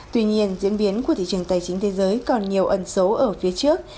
tuy nhiên diễn biến của thị trường tài chính thế giới còn nhiều ẩn số ở phía trước